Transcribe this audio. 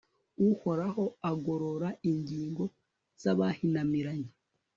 uhoraho agorora ingingo z'abahinamiranye